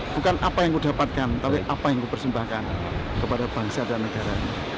bukan apa yang saya dapatkan tapi apa yang saya persembahkan kepada bangsa dan negara